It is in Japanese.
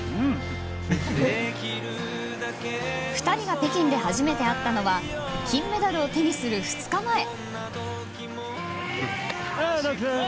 ２人が北京で初めて会ったのは金メダルを手にする２日前。